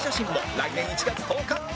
来年１月１０日